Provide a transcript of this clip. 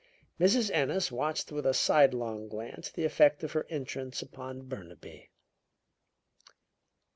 Mrs. Ennis watched with a sidelong glance the effect of her entrance upon Burnaby.